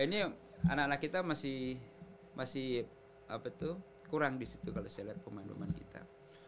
ini anak anak kita masih kurang di situ kalau saya lihat pemain pemain kita